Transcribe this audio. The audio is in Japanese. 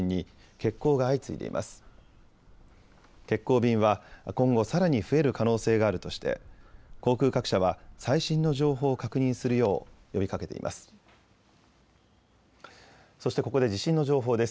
欠航便は今後さらに増える可能性があるとして航空各社は最新の情報を確認するよう呼びかけています。